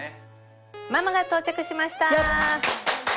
ママが到着しました！